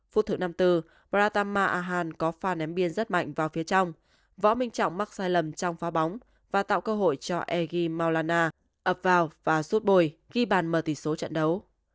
phút thử năm tư baratama ahan có pha ném biên rất mạnh vào phía trong võ minh trọng mắc sai lầm trong phá bóng và tạo cơ hội cho egi maulana ập vào và suốt bồi ghi bàn mờ tỷ số trận đấu